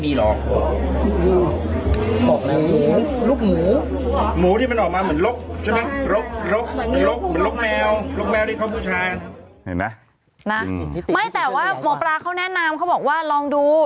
ไม่แต่ว่าหมอปลาเขาแนะนำเขาบอกว่าลองดู